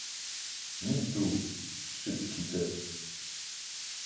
Me too, shit kicker.